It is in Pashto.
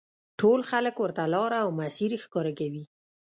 ټول خلک ورته لاره او مسیر ښکاره کوي.